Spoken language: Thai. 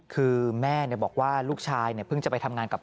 คือแม่บอกว่าลูกชายเพิ่งจะไปทำงานกับ